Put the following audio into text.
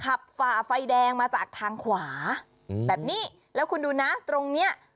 ฝ่าไฟแดงมาจากทางขวาอืมแบบนี้แล้วคุณดูนะตรงเนี้ย